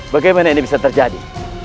bagaimana ini bisa terjadi